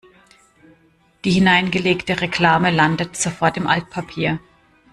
Die hineingelegte Reklame landet sofort im Altpapier.